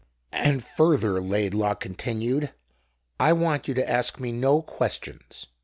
"And further," Laidlaw continued, "I want you to ask me no questions.